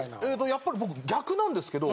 やっぱり僕逆なんですけど。